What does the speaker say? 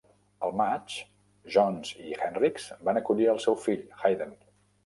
Al maig, Jones i Henricks van acollir el seu fill, Hayden.